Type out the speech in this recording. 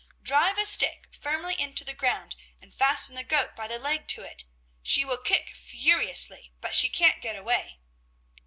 "Drive a stick firmly into the ground and fasten the goat by the leg to it; she will kick furiously, but she can't get away."